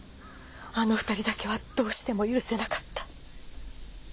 あの２人だけはどうしても許せなかった。